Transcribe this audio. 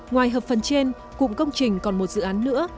ngoài hợp phần trên cụm công trình còn một dự án nữa